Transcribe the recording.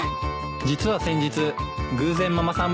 実は先日偶然ママさん